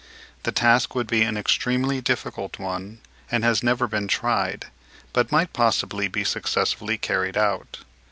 The task would be an extremely difficult one, and has never been tried, but might possibly be successfully carried out.